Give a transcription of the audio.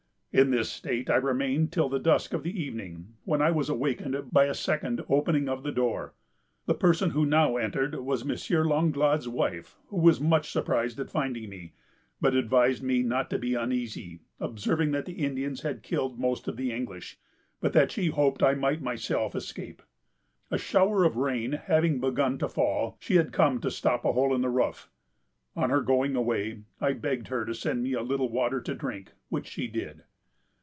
In this state I remained till the dusk of the evening, when I was awakened by a second opening of the door. The person that now entered was M. Langlade's wife, who was much surprised at finding me, but advised me not to be uneasy, observing that the Indians had killed most of the English, but that she hoped I might myself escape. A shower of rain having begun to fall, she had come to stop a hole in the roof. On her going away, I begged her to send me a little water to drink, which she did.